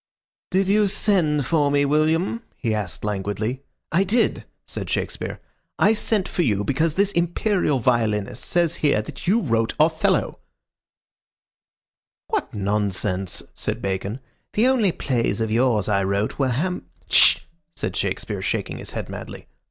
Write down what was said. "Did you send for me, William?" he asked, languidly. "I did," said Shakespeare. "I sent for you because this imperial violinist here says that you wrote Othello." "What nonsense," said Bacon. "The only plays of yours I wrote were Ham " "Sh!" said Shakespeare, shaking his head madly.